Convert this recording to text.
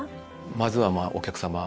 まずはお客さま